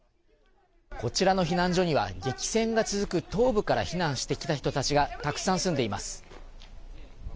こちらの避難所には、激戦が続く東部から避難してきた人たちがたくさん住んでいます。